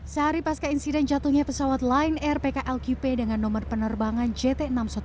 sehari pas keinsiden jatuhnya pesawat lion air pklqp dengan nomor penerbangan jt enam ratus sepuluh